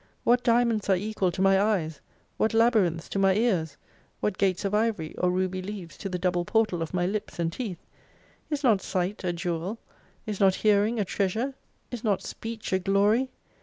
What diamonds are equal to my eyes ; what labyrinths to my ears ; what gates of ivory, or ruby leaves to the double portal of my lips and teeth ? Is not sight a jewel ? Is not hearing a treasure ? Is not speech a glory